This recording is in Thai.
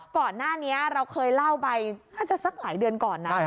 ก่อนหน้านี้เราเคยเล่าไปน่าจะสักหลายเดือนก่อนนะ